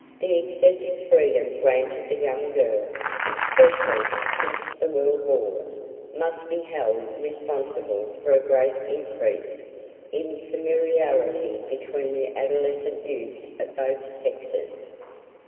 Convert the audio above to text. _ The excessive freedom granted the young girl, especially since the World War, must be held responsible for a great increase in familiarity between the adolescent youth of both sexes.